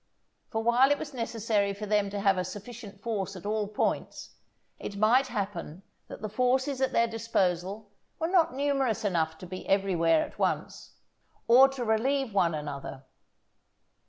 For while it was necessary for them to have a sufficient force at all points, it might happen that the forces at their disposal were not numerous enough to be everywhere at once, or to relieve one another.